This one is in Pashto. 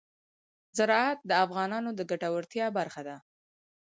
زراعت د افغانانو د ګټورتیا برخه ده.